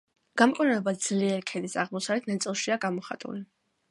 გამყინვარება ძლიერ ქედის აღმოსავლეთ ნაწილშია გამოხატული.